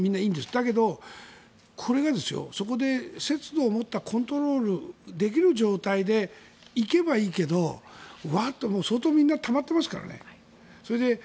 だけど、これがそこで節度を持ってコントロールできる状態で行けばいいけどわっと相当みんなたまってますからね。